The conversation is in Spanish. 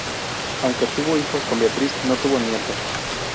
Aunque tuvo hijos con Beatriz, no tuvo nietos.